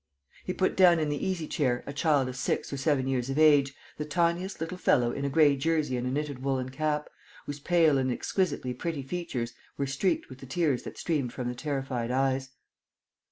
He put down in the easy chair a child of six or seven years of age, the tiniest little fellow in a gray jersey and a knitted woollen cap, whose pale and exquisitely pretty features were streaked with the tears that streamed from the terrified eyes.